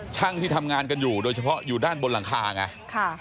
ช่างที่ทำงานกันอยู่โดยเฉพาะอยู่ด้านบนหลังคาไง